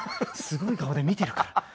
すごい顔で見てるから。